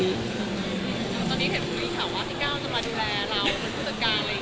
ตอนนี้เห็นผู้นี้ขอว่าพี่ก้าวจะมาดูแลเรา